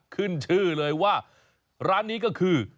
ขึ้นชื่อเลยว่าร้านนี้ก็คือ